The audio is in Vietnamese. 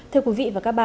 thưa quý vị